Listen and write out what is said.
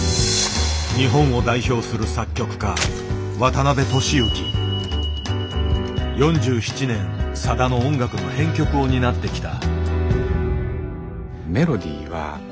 日本を代表する４７年さだの音楽の編曲を担ってきた。